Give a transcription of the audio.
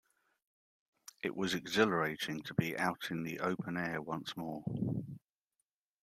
It was exhilarating to be out in the open air once more.